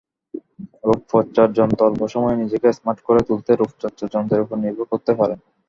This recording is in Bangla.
রূপচর্চার যন্ত্রঅল্প সময়ে নিজেকে স্মার্ট করে তুলতে রূপচর্চার যন্ত্রের ওপর নির্ভর করতে পারেন।